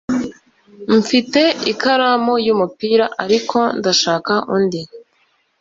Mfite ikaramu y'umupira, ariko ndashaka undi.